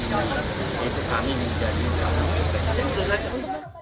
itu saja untuk pak